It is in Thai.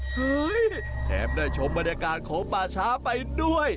แถมได้ชมบรรยากาศของป่าช้าไปด้วย